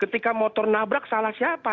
ketika motor nabrak salah siapa